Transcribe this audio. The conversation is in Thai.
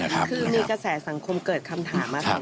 คือมีกระแสสังคมเกิดคำถามมาถึง